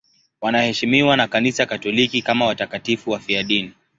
Wanaheshimiwa na Kanisa Katoliki kama watakatifu wafiadini.